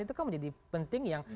itu kan menjadi penting yang